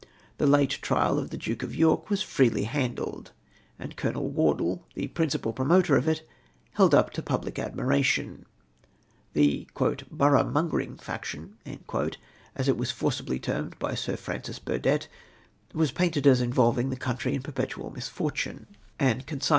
The late trial of the Duke of York was freely handled, and Colonel Wardle, the principal promoter of it, held up to public admiration. The '' borough mongering faction," as it was forcibly termed by Sir Francis Burdett, was pahited as involving the country in perpetual misfortune, and consignmg to * Ed.